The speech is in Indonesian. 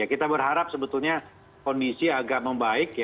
kita berharap sebetulnya kondisi agak membaik